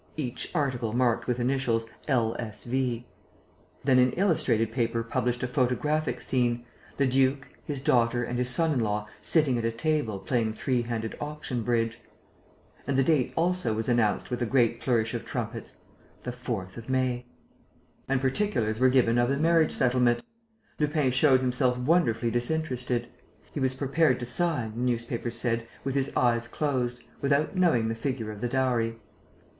Each article marked with initials L. S. V." Then an illustrated paper published a photographic scene: the duke, his daughter and his son in law sitting at a table playing three handed auction bridge. And the date also was announced with a great flourish of trumpets: the 4th of May. And particulars were given of the marriage settlement. Lupin showed himself wonderfully disinterested. He was prepared to sign, the newspapers said, with his eyes closed, without knowing the figure of the dowry.